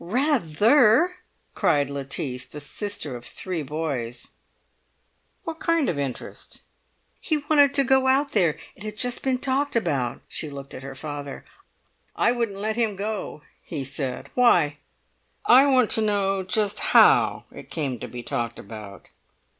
"Rather!" cried Lettice, the sister of three boys. "What kind of interest?" "He wanted to go out there. It had just been talked about." She looked at her father. "I wouldn't let him go," he said. "Why?" "I want to know just how it came to be talked about."